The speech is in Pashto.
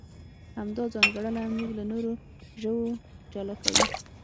همدا ځانګړنه موږ له نورو ژوو جلا کوي.